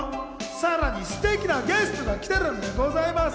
さらにすてきなゲストが来ているんでございます。